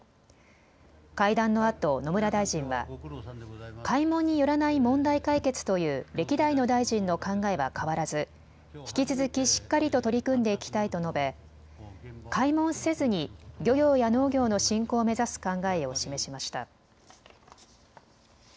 会談のあと野村大臣は開門によらない問題解決という歴代の大臣の考えは変わらず引き続きしっかりと取り組んでいきたいと述べ開門せずに漁業や農業の振興を目指す考えを示しました。